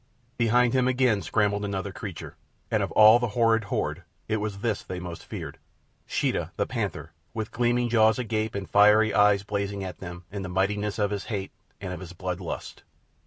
Behind him again scrambled another creature, and of all the horrid horde it was this they most feared—Sheeta, the panther, with gleaming jaws agape and fiery eyes blazing at them in the mightiness of his hate and of his blood lust.